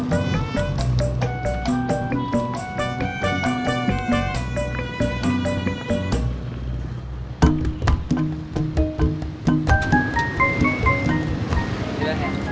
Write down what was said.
kau kasih berkata gitu